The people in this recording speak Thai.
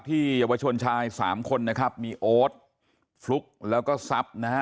ที่วัชชนชายสามคนนะครับมีโอ๊ตฟลุกแล้วก็ซับนะฮะ